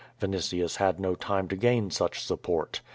Vinitius had no time to gain such support.